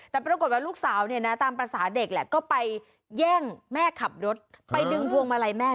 แต่ปรากฏว่าลูกสาวเนี่ยนะตามภาษาเด็กแหละก็ไปแย่งแม่ขับรถไปดึงพวงมาลัยแม่